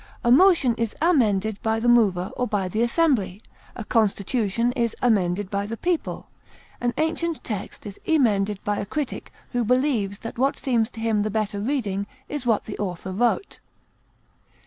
A motion is amended by the mover or by the assembly; a constitution is amended by the people; an ancient text is emended by a critic who believes that what seems to him the better reading is what the author wrote.